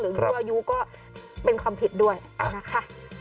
ยั่วอายุก็เป็นความผิดด้วยนะคะ